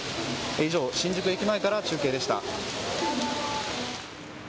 以上、新宿駅前から中継でした。